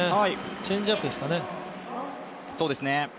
チェンジアップですかね。